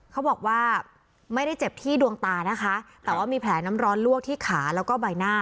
เขาบอกว่าไม่ได้เจ็บที่ดวงตานะคะแต่ว่ามีแผลน้ำร้อนลวกที่ขาแล้วก็ใบหน้า